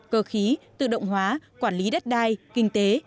cơ khí tự động hóa quản lý đất đai kinh tế